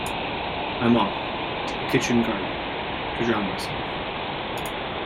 I'm off. To the kitchen garden. To drown myself.